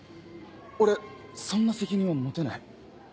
俺そんな責任は持てない。